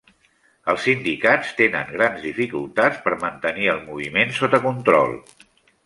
Els sindicats tenen grans dificultats per mantenir el moviment sota control.